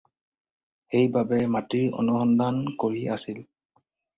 সেই বাবে মাটিৰ অনুসন্ধান কৰি আছিল।